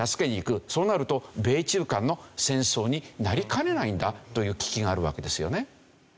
そうなると米中間の戦争になりかねないんだという危機があるわけですよね。